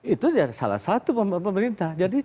itu salah satu pemerintah